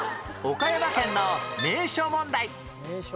岡山県の名所問題